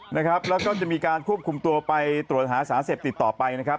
นะครับแล้วก็จะมีการควบคุมตัวไปตรวจหาสารเสพติดต่อไปนะครับ